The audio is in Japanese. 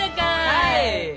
はい！